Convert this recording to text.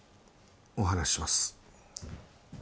お話しします。